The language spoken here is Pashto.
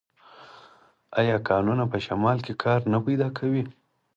آیا کانونه په شمال کې کار نه پیدا کوي؟